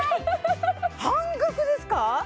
半額ですか！？